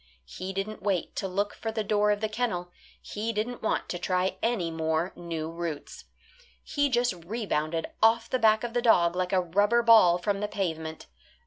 He didn't wait to look for the door of the kennel; he didn't want to try any more new routes. He just rebounded off the back of the dog like a rubber ball from the pavement.